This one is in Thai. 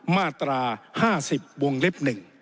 มาตรา๕๐วงเล็บ๑